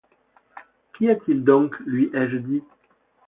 Qu’y a-t-il donc ? lui ai-je dit.